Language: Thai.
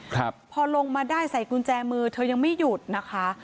ครับพอลงมาได้ใส่กุญแจมือเธอยังไม่หยุดนะคะ